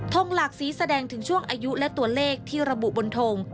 งหลากสีแสดงถึงช่วงอายุและตัวเลขที่ระบุบนทง